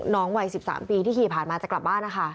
วัย๑๓ปีที่ขี่ผ่านมาจะกลับบ้านนะคะ